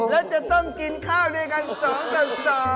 และจะต้องกินข้าวด้วยกัน๒ต่อ๒